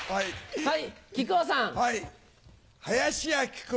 はい。